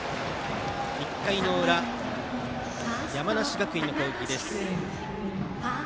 １回の裏、山梨学院の攻撃です。